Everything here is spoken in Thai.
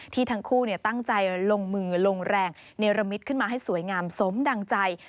ทั้งคู่ตั้งใจลงมือลงแรงเนรมิตขึ้นมาให้สวยงามสมดังใจ